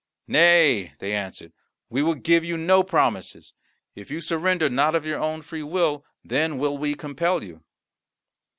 "Nay," they answered, "we will give you no promises. If you surrender not of your own free will, then will we compel you."